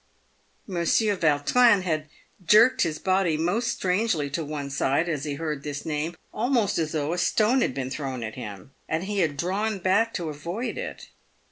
Monsieur Vautrin had jerked his body most strangely to one side as he heard this name, almost aa though a stone had been thrown at him, and he had drawn back to avoid it.